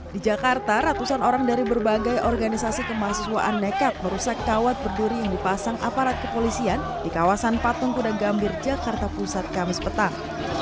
di jakarta ratusan orang dari berbagai organisasi kemahasiswaan nekat merusak kawat berduri yang dipasang aparat kepolisian di kawasan patung kuda gambir jakarta pusat kamis petang